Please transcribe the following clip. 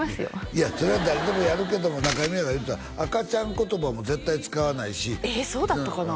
いやそれは誰でもやるけども中井美穂が言うてた赤ちゃん言葉も絶対使わないしえっそうだったかな？